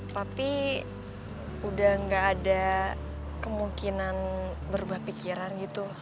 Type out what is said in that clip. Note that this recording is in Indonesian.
tapi udah gak ada kemungkinan berubah pikiran gitu